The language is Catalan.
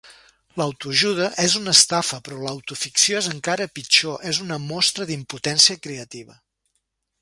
L'autoajuda és una estafa, però l'autoficció és encara pitjor, és una mostra d'impotència creativa.